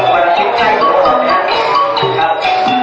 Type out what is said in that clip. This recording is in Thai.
วันนี้ใกล้หรือออกเนี่ยครับ